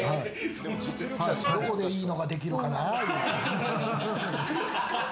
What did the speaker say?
どこでいいのができるかな？って。